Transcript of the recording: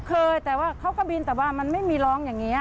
เคยแต่ว่าเขาก็บินแต่ว่ามันไม่มีร้องอย่างนี้